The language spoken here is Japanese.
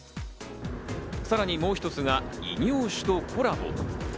さらにもう一つが異業種とコラボ。